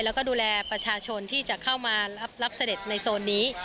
แล้วก็ดูแลประชาชนที่จะเข้ามารับเสด็จในโซนนี้